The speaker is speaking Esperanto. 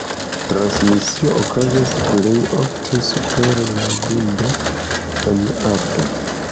La transmisio okazas plej ofte super la grundo en alto.